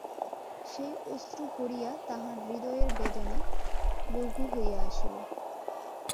সেই অশ্রু পড়িয়া তাঁহার হৃদয়ের বেদনা লঘু হইয়া আসিল।